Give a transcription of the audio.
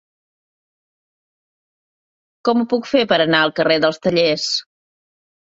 Com ho puc fer per anar al carrer dels Tallers?